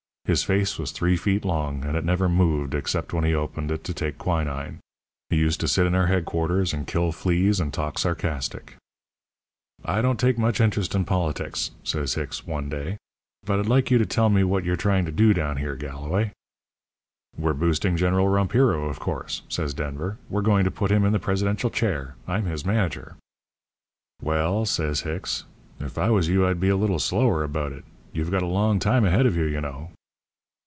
His face was three feet long, and it never moved except when he opened it to take quinine. He used to sit in our headquarters and kill fleas and talk sarcastic. "'I don't take much interest in politics,' says Hicks, one day, 'but I'd like you to tell me what you're trying to do down here, Galloway?' "'We're boosting General Rompiro, of course,' says Denver. 'We're going to put him in the presidential chair. I'm his manager.' "'Well,' says Hicks, 'if I was you I'd be a little slower about it. You've got a long time ahead of you, you know.'